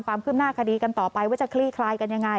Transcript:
ความคืบหน้าคดีกันต่อไปว่าจะคลี่คลายกันยังไง